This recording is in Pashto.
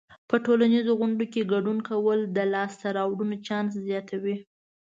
په ټولنیزو غونډو کې ګډون کول د لاسته راوړنو چانس زیاتوي.